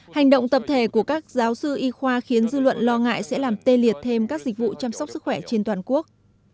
hành động tập thể của các giáo sư y khoa khiến dư luận lo ngại sẽ làm tê liệt thêm các dịch vụ chăm sóc sức khỏe trên toàn quốc